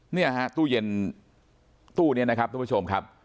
เนี่ยฮะตู้เย็นตู้นี้นะครับทุกผู้ชมครับ